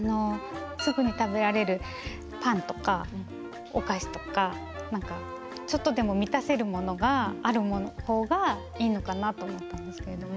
すぐに食べられるパンとかお菓子とかちょっとでも満たせるものがある方がいいのかなと思ったんですけれども。